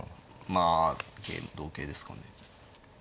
まあ同桂ですかね。